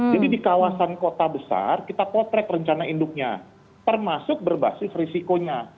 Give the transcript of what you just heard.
jadi di kawasan kota besar kita potret rencana induknya termasuk berbasis risikonya